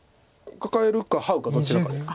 カカえるかハウかどちらかです。